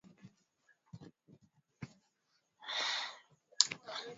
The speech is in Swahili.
Uniulize maneno yeyote nikujibu